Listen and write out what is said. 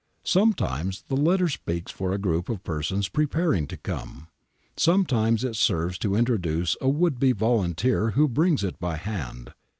Sometimes the letter speaks for a group of persons preparing to come. Sometimes it serves to introduce a would be volunteer who brings it by hand.